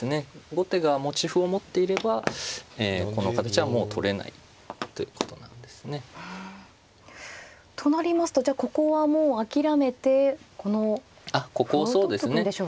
後手が持ち歩を持っていればこの形はもう取れないということなんですね。となりますとじゃあここはもう諦めてこの歩を取っとくんでしょうか。